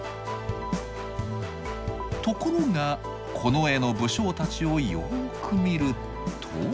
ところがこの絵の武将たちをよく見ると。